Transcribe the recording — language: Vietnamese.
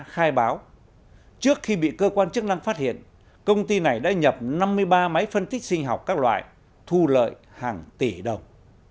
khai báo trước khi bị cơ quan chức năng phát hiện công ty này đã nhập năm mươi ba máy phân tích sinh học các loại thu lợi hàng tỷ đồng